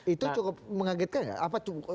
itu cukup mengagetkan nggak